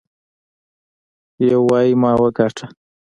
يو وايي ما وګاټه.